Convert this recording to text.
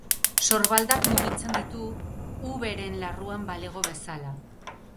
Sorbaldak mugitzen ditu, V.-ren larruan balego bezala.